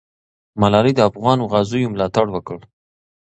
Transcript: ملالۍ د افغانو غازیو ملاتړ وکړ.